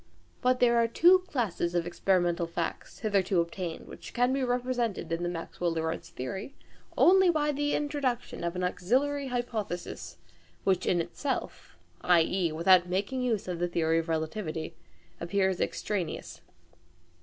But there are two classes of experimental facts hitherto obtained which can be represented in the Maxwell Lorentz theory only by the introduction of an auxiliary hypothesis, which in itself i.e. without making use of the theory of relativity appears extraneous.